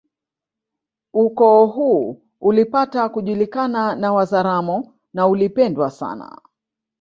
Ukoo huu ulipata kujulikana na Wazaramo na uli pendwa sana